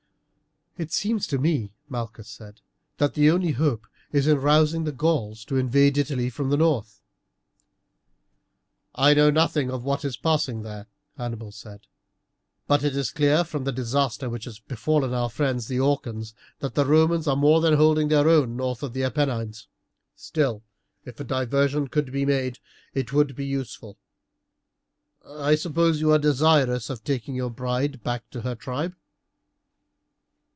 "It seems to me," Malchus said, "that the only hope is in rousing the Gauls to invade Italy from the north." "I know nothing of what is passing there," Hannibal said; "but it is clear from the disaster which has befallen our friends the Orcans that the Romans are more than holding their own north of the Apennines. Still, if a diversion could be made it would be useful. I suppose you are desirous of taking your bride back to her tribe."